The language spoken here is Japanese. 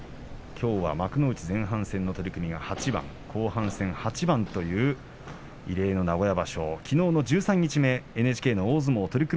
きょうは幕内前半戦の取組が８番後半戦で８番という異例の名古屋場所きのうの十三日目の取組